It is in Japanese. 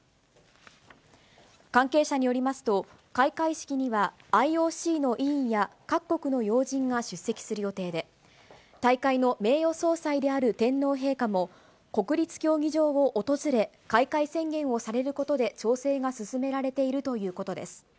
関係者によりますと、開会式にはＩＯＣの委員や各国の要人が出席する予定で、大会の名誉総裁である天皇陛下も、国立競技場を訪れ、開会宣言をされることで調整が進められているということです。